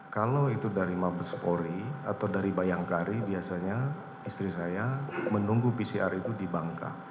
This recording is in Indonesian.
kalau itu dari mabes polri atau dari bayangkari biasanya istri saya menunggu pcr itu di bangka